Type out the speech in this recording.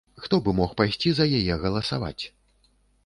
Хто бы мог пайсці за яе галасаваць!?